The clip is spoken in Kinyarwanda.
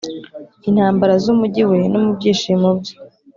intambara z'umujyi we; no mu byishimo bye